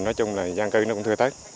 nói chung là giang cư nó cũng thưa thích